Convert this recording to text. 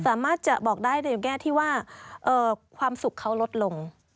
สามารถจะบอกได้ในแง่ที่ว่าความสุขเขาลดลง